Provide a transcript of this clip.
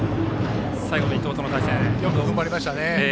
よく踏ん張りましたね。